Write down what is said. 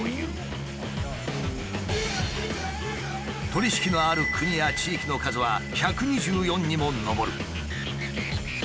取り引きのある国や地域の数は１２４にも上る。